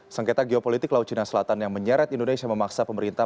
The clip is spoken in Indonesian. sengketa geopolitik laut cina selatan yang menyeret indonesia memaksa pemerintah